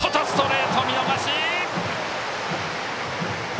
外ストレート、見逃し。